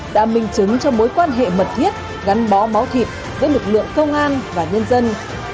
đã minh chứng cho mối quan hệ mật thiết gắn bó máu thịt giữa lực lượng công an và nhân dân